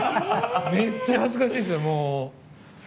めっちゃ恥ずかしいですよ。